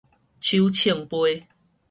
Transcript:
手銃杯